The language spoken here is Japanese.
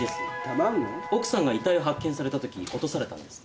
奥さんが遺体を発見されたとき落とされたんです。